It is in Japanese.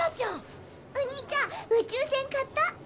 おにいちゃん宇宙船買った？